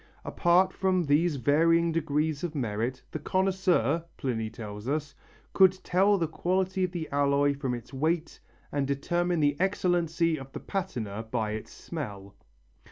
Apart from these varying degrees of merit, the connoisseur, Pliny tells us, could tell the quality of the alloy from its weight and determine the excellency of the patina by its smell.